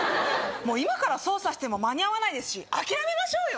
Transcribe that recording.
もう今から捜査しても間に合わないですし諦めましょうよ